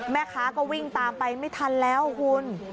แม่ค้าก็วิ่งตามไปไม่ทันแล้วคุณ